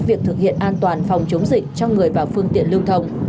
việc thực hiện an toàn phòng chống dịch cho người và phương tiện lưu thông